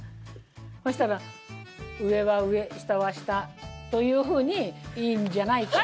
そしたら上は上下は下というふうにいいんじゃないか？